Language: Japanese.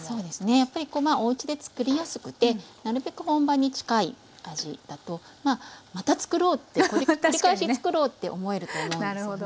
やっぱりおうちで作りやすくてなるべく本場に近い味だとまあまた作ろうって繰り返し作ろうって思えると思うんですよね。